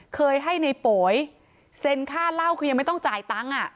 เคยให้ในโป๋ยเซ็นค่าเหล้าคือยังไม่ต้องจ่ายตังค์